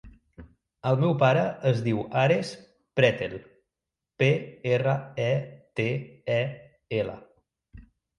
El meu pare es diu Ares Pretel: pe, erra, e, te, e, ela.